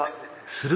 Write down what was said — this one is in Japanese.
する？